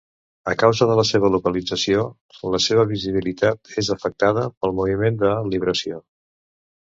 A causa de la seva localització, la seva visibilitat és afectada pel moviment de libració.